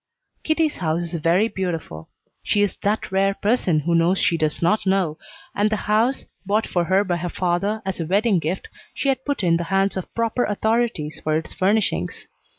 Kitty's house is very beautiful. She is that rare person who knows she does not know, and the house, bought for her by her father as a wedding gift, she had put in the hands of proper authorities for its furnishings.